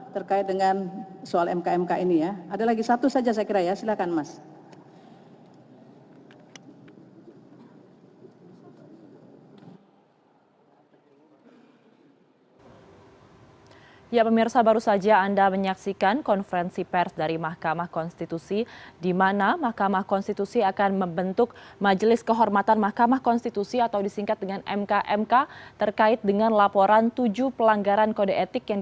terkait dengan soal mk mk ini ya